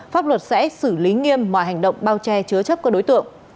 pháp luật sẽ xử lý nghiêm mọi hành động bao che chứa chấp các đối tượng